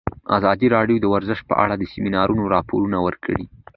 ازادي راډیو د ورزش په اړه د سیمینارونو راپورونه ورکړي.